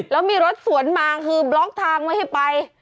แล้วมีรถสวนมาคือบล็อกทางไว้ให้ไป